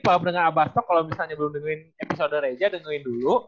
pak berengah abastok kalau misalnya belum dengerin episode reja dengerin dulu